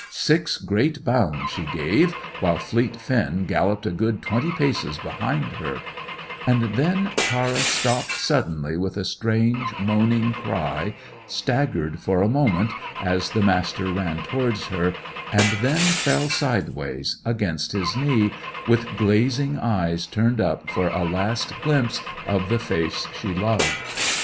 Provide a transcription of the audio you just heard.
Six great bounds she gave, while fleet Finn galloped a good twenty paces behind her, and then Tara stopped suddenly with a strange, moaning cry, staggered for a moment, as the Master ran towards her, and then fell sideways, against his knee, with glazing eyes turned up for a last glimpse of the face she loved.